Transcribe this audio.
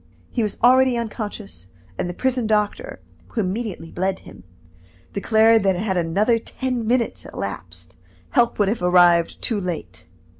He was already unconscious, and the prison doctor, who immediately bled him, declared that had another ten minutes elapsed, help would have arrived too late.